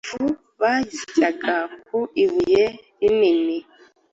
Ifu bayisyaga ku ibuye rinini,